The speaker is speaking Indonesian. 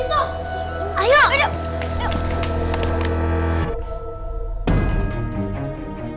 nemuin pak bos